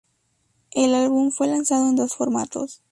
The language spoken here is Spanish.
El álbum fue lanzado en dos formatos.